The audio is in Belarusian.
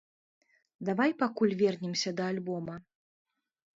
Давай пакуль вернемся да альбома.